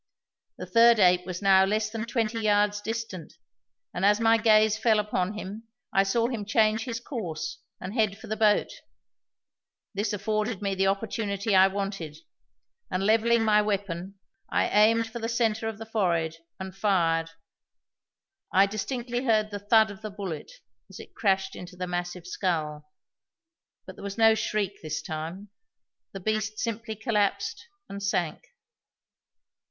The third ape was now less than twenty yards distant, and as my gaze fell upon him I saw him change his course and head for the boat. This afforded me the opportunity I wanted, and levelling my weapon I aimed for the centre of the forehead, and fired. I distinctly heard the thud of the bullet as it crashed into the massive skull; but there was no shriek this time; the beast simply collapsed and sank.